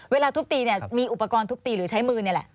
ทุบตีเนี่ยมีอุปกรณ์ทุบตีหรือใช้มือนี่แหละ